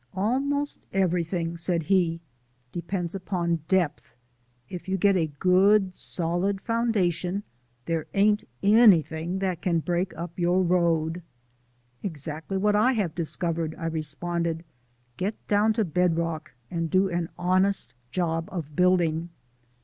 "Almost everything," said he, "depends on depth. If you get a good solid foundation, the' ain't anything that can break up your road." "Exactly what I have discovered," I responded. "Get down to bedrock and do an honest job of building."